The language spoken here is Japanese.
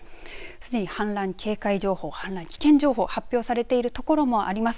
すでに氾濫危険情報氾濫警戒情報発表されている所もあります。